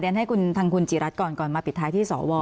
เดี๋ยวให้ทางคุณจรัฐก่อนก่อนมาปิดท้ายที่สอบวอร์